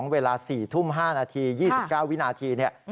เวลา๔ทุ่ม๕นาที๒๙วินาที